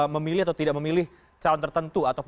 memilih atau tidak memilih calon tertentu